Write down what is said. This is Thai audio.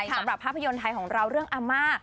สำหรับภาพยนตร์ไทยของเราเรื่องอาม่า